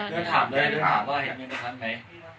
เดินถามเลยเดินถามว่าเห็นเงินเท่านั้นไหม